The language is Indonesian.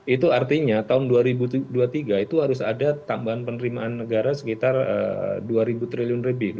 itu artinya tahun dua ribu dua puluh tiga itu harus ada tambahan penerimaan negara sekitar rp dua triliun lebih